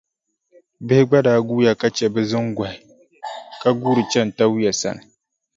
Bihi gba daa guuya ka che bɛ ziŋgɔhi ka guuri chani Tawia maa sani.